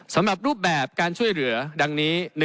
สำหรับรูปแบบการช่วยเหลือดังนี้